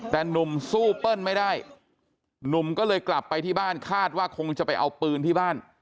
แต่หนุ่มสู้เปิ้ลไม่ได้หนุ่มก็เลยกลับไปที่บ้านคาดว่าคงจะไปเอาปืนที่บ้าน